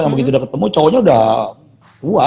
yang begitu udah ketemu cowoknya udah tua